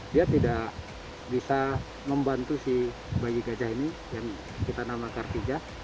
dia tidak bisa membantu si bayi gajah ini yang kita nama kartija